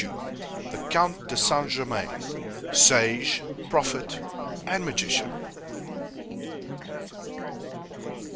THE COUNT DE ST. GERMAIN, SAGE, PROPHET, AND MAGICIAN.